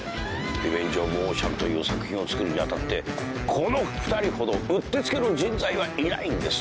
『ＲＥＶＥＮＧＥＯＦＯＣＥＡＮ』という作品を作るに当たってこの２人ほどうってつけの人材はいないんです。